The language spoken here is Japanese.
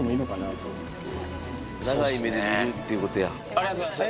ありがとうございます。